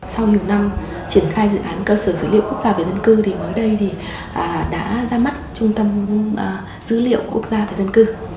sau nhiều năm triển khai dự án cơ sở dữ liệu quốc gia về dân cư thì mới đây thì đã ra mắt trung tâm dữ liệu quốc gia về dân cư